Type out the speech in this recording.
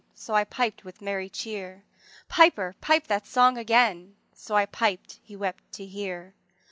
'' So I piped with a merry chear. ``Piper, pipe that song again;'' So I piped: he wept to hear.